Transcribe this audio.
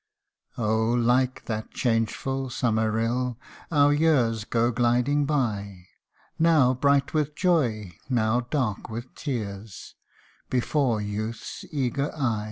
Oh ! like that changeful summer rill, our years go gliding by, Now bright with joy, now dark with tears, before youth's eager eye.